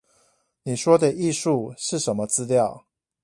你說的藝術是什麼資料？